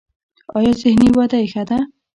ایا ذهني وده یې ښه ده؟